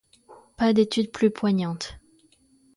Pas d'étude plus poignante.